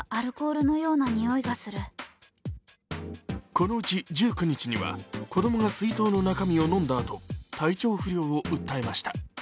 このうち１９日には子供が水筒の中身を飲んだあと体調不良を訴えました。